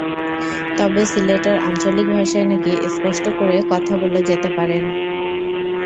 তবে সিলেটের আঞ্চলিক ভাষায় নাকি স্পষ্ট করে কথা বলে যেতে পারেন।